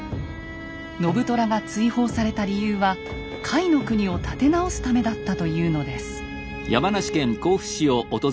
信虎が追放された理由は甲斐国を立て直すためだったというのです。